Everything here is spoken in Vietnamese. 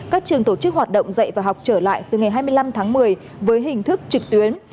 các trường tổ chức hoạt động dạy và học trở lại từ ngày hai mươi năm tháng một mươi với hình thức trực tuyến